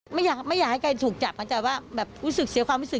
ไม่อยากให้ใครถูกจับอาจจะว่าแบบวิสึกเสียความวิสึก